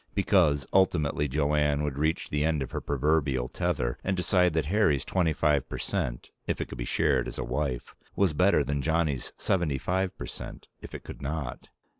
Because, ultimately, Jo Anne would reach the end of her proverbial tether and decide that Harry's twenty five percent, if it could be shared as a wife, was better than Johnny's seventy five percent, if it could not.